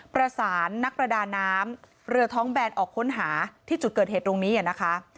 ประสานนักประดาน้ำเรือท้องแบนออกค้นหาที่จุดเกิดเหตุตรงนี้นะคะ